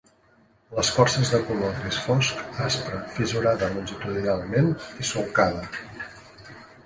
L'escorça és de color gris fosc, aspre, fissurada longitudinalment i solcada.